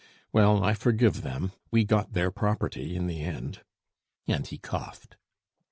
"Well, I forgive them; we got their property in the end." And he coughed.